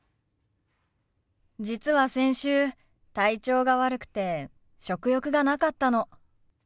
実は先週体調が悪くて食欲がなかったの。